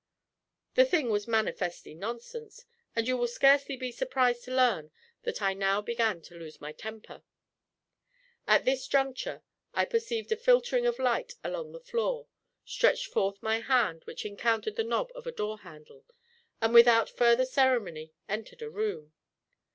The thing was manifestly nonsense; and you will scarcely be surprised to learn that I now began to lose my temper. At this juncture I perceived a filtering of light along the floor, stretched forth my hand which encountered the knob of a door handle, and without further ceremony entered a room.